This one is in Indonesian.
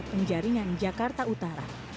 penjaringan jakarta utara